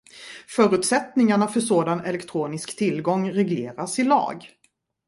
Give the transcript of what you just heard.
Förutsättningarna för sådan elektronisk tillgång regleras i lag.